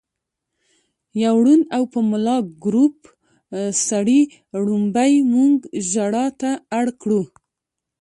يو ړوند او په ملا کړوپ سړي ړومبی مونږ ژړا ته اړ کړو